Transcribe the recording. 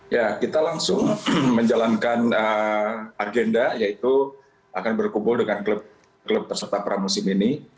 ya kita langsung menjalankan agenda yaitu akan berkumpul dengan klub terserta pramusim ini